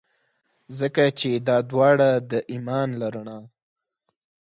ځکه چي دا داوړه د ایمان له رڼا.